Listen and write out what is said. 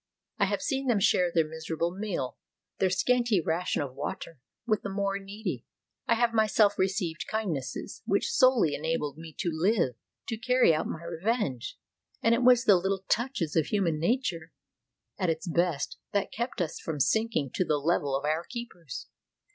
I have seen them share their miserable meal, their scanty ration of water, with the more needy. I have myself received kindnesses, which solely enabled me to live, to carry out my revenge. And it was the little touches of human nature at its best that kept us from sinking to the level of our keepers.